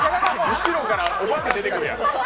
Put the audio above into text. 後ろからお化け出てくるやん。